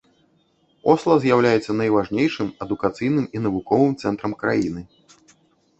Осла з'яўляецца найважнейшым адукацыйным і навуковым цэнтрам краіны.